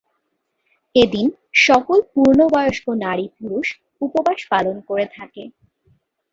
এদিন সকল পূর্ণবয়স্ক নারী পুরুষ উপবাস পালন করে থাকে।